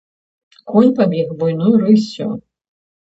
Конь пабег буйной рыссю.